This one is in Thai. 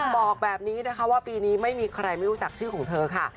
บอกแบบนี้นะคะว่าปีนี้ไม่มีใครไม่รู้จักชื่อของเธอค่ะ